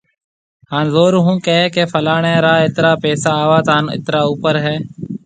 هان زور ھونڪي هي ڪي فلاڻي جي را ايترا پئسا آوت هان اترا اوپر